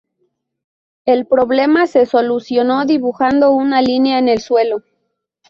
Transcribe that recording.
El problema se solucionó dibujando una línea en el suelo.